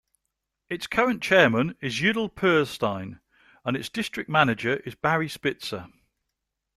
Its current chairman is Yidel Perlstein, and its district manager is Barry Spitzer.